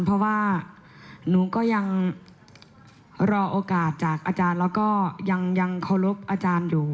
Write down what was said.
เพราะว่าหนูก็ยังรอโอกาสจากอาจารย์แล้วก็ยังเคารพอาจารย์อยู่